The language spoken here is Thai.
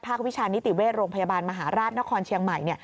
วิชานิติเวชโรงพยาบาลมหาราชนครเชียงใหม่